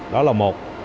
đó là một